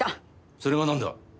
それがなんだ？